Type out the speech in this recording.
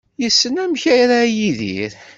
Yessen amek ara yidir.